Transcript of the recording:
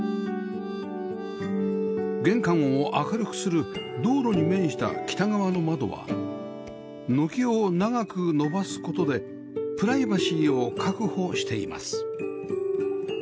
玄関を明るくする道路に面した北側の窓は軒を長く伸ばす事でプライバシーを確保しています